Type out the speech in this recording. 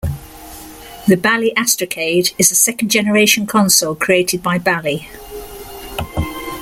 The Bally Astrocade is a second generation console created by Bally.